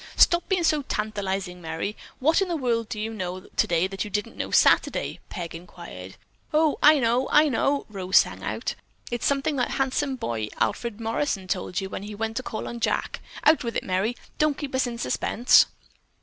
"Stop being so tantalizing, Merry! What in the world do you know today that you didn't know Saturday?" Peg inquired. "Oh, I know, I know!" Rose sang out. "It's something that handsome boy, Alfred Morrison, told you when he went to call on Jack. Out with it, Merry; don't keep us in suspense."